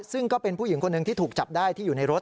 ซึ่งก็เป็นผู้หญิงคนหนึ่งที่ถูกจับได้ที่อยู่ในรถ